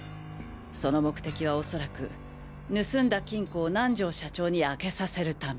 その目的は恐らく盗んだ金庫を南條社長に開けさせる為。